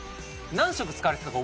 何色使われてたか。